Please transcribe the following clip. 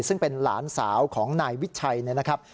ซึ่งเป็นหลานสาวของนายวิชัยนะครับ